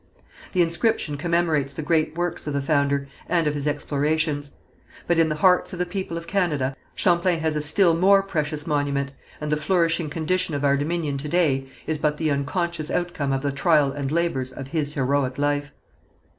The inscription commemorates the great work of the founder, and of his explorations; but in the hearts of the people of Canada, Champlain has a still more precious monument, and the flourishing condition of our Dominion to day is but the unconscious outcome of the trial and labours of his heroic life.